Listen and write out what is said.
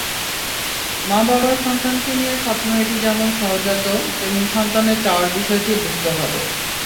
মা-বাবার সন্তানকে নিয়ে স্বপ্ন এটি যেমন সহজাত, তেমনি সন্তানের চাওয়ার বিষয়টি বুঝতে হবে।